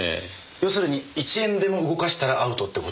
要するに１円でも動かしたらアウトって事。